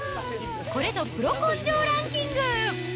これぞプロ根性ランキング。